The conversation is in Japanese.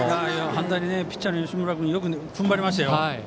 反対にピッチャーの吉村君よく踏ん張りましたよ。